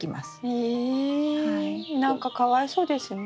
え何かかわいそうですね。